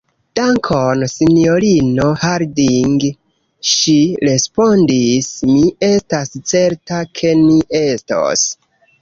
Dankon, sinjorino Harding, ŝi respondis, mi estas certa, ke ni estos.